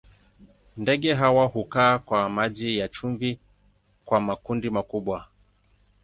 Ndege hawa hukaa kwa maji ya chumvi kwa makundi makubwa.